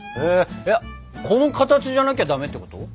この形じゃなきゃダメってこと？